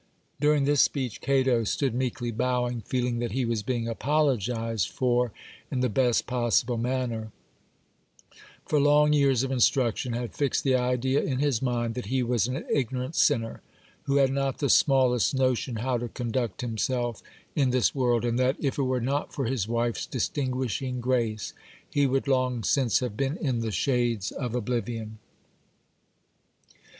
During this speech, Cato stood meekly bowing, feeling that he was being apologized for in the best possible manner; for long years of instruction had fixed the idea in his mind, that he was an ignorant sinner, who had not the smallest notion how to conduct himself in this world, and that, if it were not for his wife's distinguishing grace, he would long since have been in the shades of oblivion.